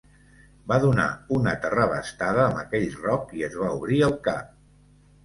Va donar una terrabastada amb aquell roc i es va obrir el cap.